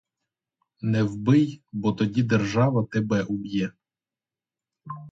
Не вбий, бо тоді держава тебе уб'є!